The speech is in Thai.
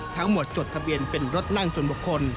จดทะเบียนเป็นรถนั่งส่วนบุคคล